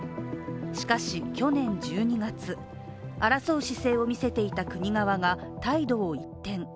しかし去年１２月、争う姿勢を見せていた国側が態度を一転。